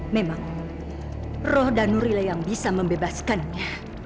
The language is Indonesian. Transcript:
memang roh danuril yang bisa membebaskannya